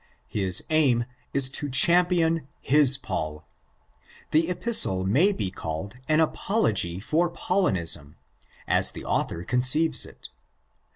His aim is to champion his Paul. The Epistle may be called an apology for Paulinism, as the author conceives it.